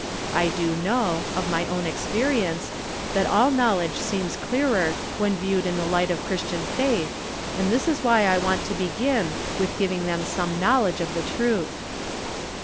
I do know, of my own experience, that all knowledge seems clearer when viewed in the light of Christian faith, and this is why I want to begin with giving them some knowledge of the truth.